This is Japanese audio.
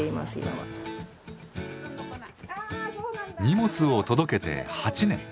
荷物を届けて８年。